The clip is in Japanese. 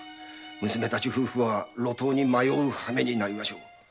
娘夫婦たちは路頭に迷う羽目になりましょう。